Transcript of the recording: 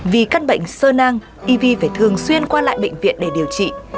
vì các bệnh sơ nang evie phải thường xuyên qua lại bệnh viện để điều trị